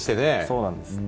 そうなんです。